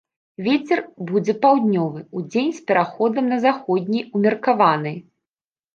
Вецер будзе паўднёвы, удзень з пераходам на заходні ўмеркаваны.